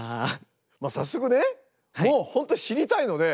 早速ねもう本当知りたいので。